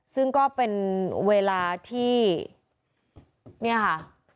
ซึ่งก็เป็นเวลาที่เนี่ยค่ะ